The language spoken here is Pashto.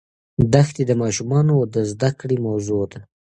دښتې د ماشومانو د زده کړې موضوع ده.